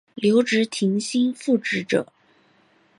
留职停薪复职者